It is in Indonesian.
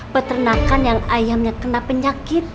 peternakan yang ayamnya kena penyakit